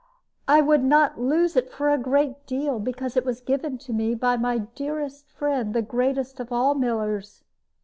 I would not lose it for a great deal, because it was given to me by my dearest friend, the greatest of all millers."